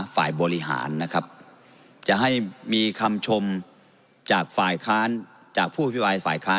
ฝ่ายบริหารนะครับจะให้มีคำชมจากฝ่ายค้านจากผู้อภิปรายฝ่ายค้าน